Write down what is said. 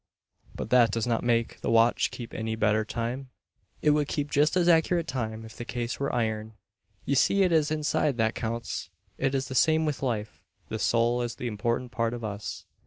But that does not make the watch keep any better time. It would keep just as accurate time if the case were iron. You see it is the inside that counts. It is the same with life. The soul is the important part of us.